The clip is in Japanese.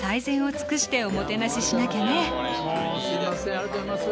ありがとうございます